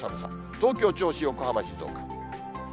東京、銚子、横浜、静岡。